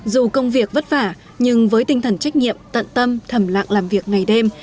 dù công việc vất vả nhưng với tinh thần trách nhiệm tận tâm thầm lặng làm việc ngày đêm